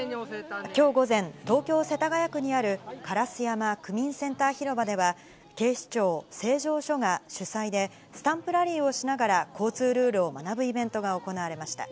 きょう午前、東京・世田谷区にある烏山区民センター広場では、警視庁成城署が主催で、スタンプラリーをしながら、交通ルールを学ぶイベントが行われました。